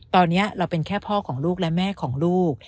ตอนนี้เราเป็นแค่พ่อของลูกและแม่ของลูก